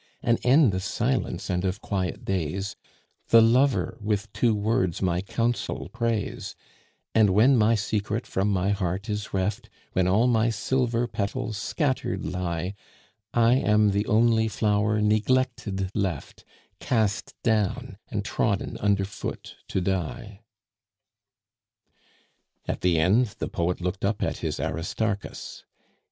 An end of silence and of quiet days, The Lover with two words my counsel prays; And when my secret from my heart is reft, When all my silver petals scattered lie, I am the only flower neglected left, Cast down and trodden under foot to die. At the end, the poet looked up at his Aristarchus.